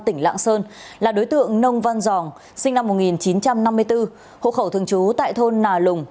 tỉnh lạng sơn là đối tượng nông văn giòn sinh năm một nghìn chín trăm năm mươi bốn hộ khẩu thường trú tại thôn nà lùng